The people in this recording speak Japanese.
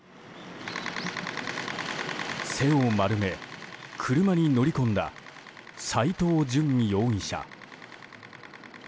背を丸め、車に乗り込んだ斎藤淳容疑者。